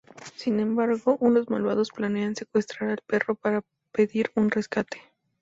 Sin embargo, unos malvados planean secuestrar al perro para pedir un rescate.